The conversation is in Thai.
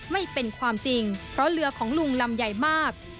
ไม่เป็นความจริงเพราะเรือของลุงลำใหญ่มาก